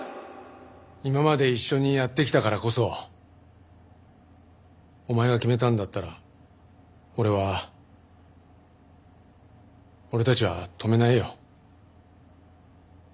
今まで一緒にやってきたからこそお前が決めたんだったら俺は俺たちは止めないよ。